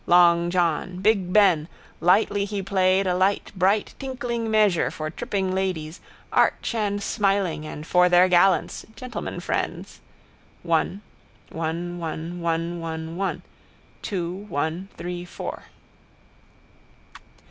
Long John. Big Ben. Lightly he played a light bright tinkling measure for tripping ladies, arch and smiling, and for their gallants, gentlemen friends. One: one, one, one, one, one: two, one, three, four.